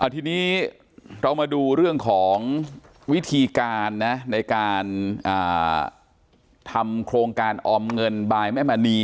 ทีนี้เรามาดูเรื่องของวิธีการนะในการทำโครงการออมเงินบายแม่มณี